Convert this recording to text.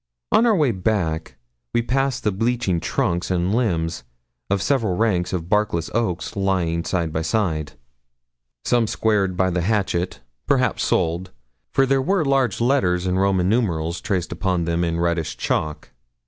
On our way back we passed the bleaching trunks and limbs of several ranks of barkless oaks lying side by side, some squared by the hatchet, perhaps sold, for there were large letters and Roman numerals traced upon them in red chalk.